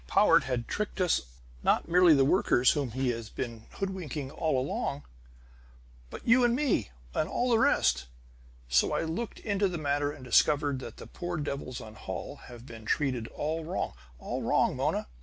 "Powart had tricked us; not merely the workers, whom he has been hoodwinking all along, but you and me and all the rest! So I looked into the matter and discovered that the poor devils on Holl have been treated all wrong. All wrong, Mona!